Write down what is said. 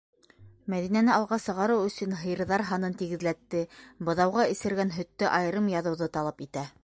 Мәҙинәне алға сығарыу өсөн һыйырҙар һанын тигеҙләтте, быҙауға эсергән һөттө айырым яҙыуҙы талап итә!